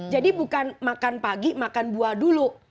bukan makan pagi makan buah dulu